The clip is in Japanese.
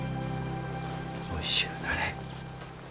おいしゅうなれ。